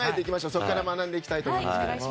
そこから学んでいきたいと思います。